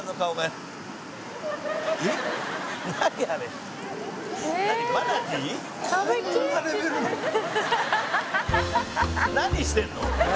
蛍原：何してんの？